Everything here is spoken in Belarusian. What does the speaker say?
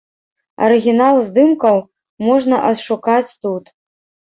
Арыгінал здымкаў можна адшукаць тут.